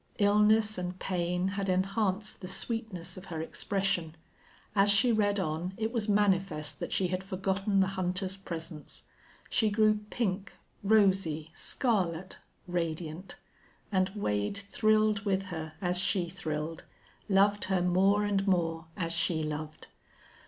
Illness and pain had enhanced the sweetness of her expression. As she read on it was manifest that she had forgotten the hunter's presence. She grew pink, rosy, scarlet, radiant. And Wade thrilled with her as she thrilled, loved her more and more as she loved.